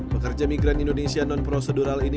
pekerja migran indonesia non prosedural ini